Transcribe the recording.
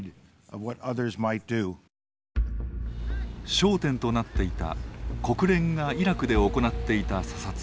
焦点となっていた国連がイラクで行っていた査察。